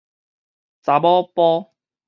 查某埔